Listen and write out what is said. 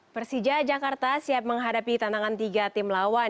persija jakarta siap menghadapi tantangan tiga tim lawan